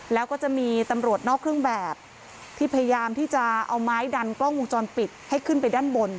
แล้วก็จะมีตำรวจนอกเครื่องแบบที่พยายามที่จะเอาไม้ดันกล้องวงจรปิดให้ขึ้นไปด้านบน